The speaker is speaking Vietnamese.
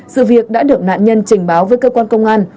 sự việc đã được nạn nhân trình báo với cơ quan công an